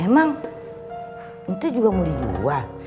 emang itu juga mau dijual